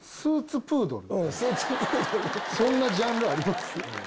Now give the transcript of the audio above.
そんなジャンルあります？